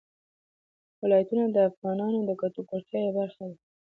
ولایتونه د افغانانو د ګټورتیا یوه برخه ده.